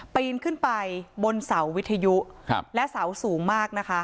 ปีนขึ้นไปบนเสาวิทยุและเสาสูงมากนะคะ